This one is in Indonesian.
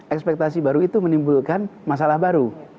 ekspektasi baru itu menimbulkan masalah baru